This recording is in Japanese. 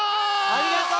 ありがとう！